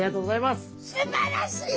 すばらしい！